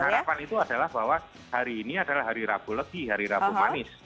nah harapan itu adalah bahwa hari ini adalah hari rapuh lagi hari rapuh manis